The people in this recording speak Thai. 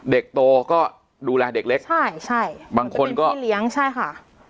เด็กโตก็ดูแลเด็กเล็กใช่ใช่บางคนก็ไม่เลี้ยงใช่ค่ะ